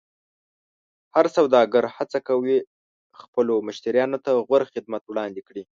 هر سوداګر هڅه کوي خپلو مشتریانو ته غوره خدمت وړاندې کړي.